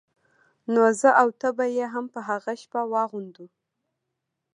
نو زه او ته به يې هم په هغه شپه واغوندو.